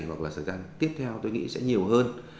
hoặc là thời gian tiếp theo tôi nghĩ sẽ nhiều hơn